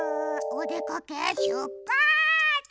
おでかけしゅっぱつ！